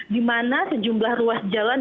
di mana sejumlah ruas jalan